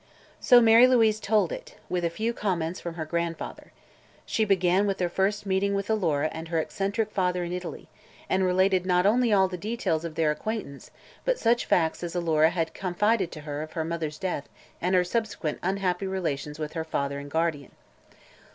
So Mary Louise told it, with a few comments from her grandfather. She began with their first meeting with Alora and her eccentric father in Italy, and related not only all the details of their acquaintance but such facts as Alora had confided to her of her mother's death and her subsequent unhappy relations with her father and guardian.